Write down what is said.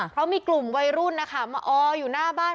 เพราะมีกลุ่มวัยรุ่นนะคะมาอออยู่หน้าบ้าน